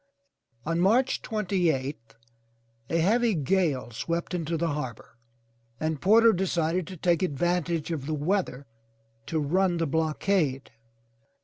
On March twenty eighth, a heavy gale swept into the harbor and Porter decided to take advantage of the weather to run the blockade.